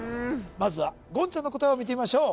まずは言ちゃんの答えを見てみましょう